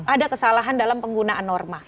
ada kesalahan dalam penggunaan norma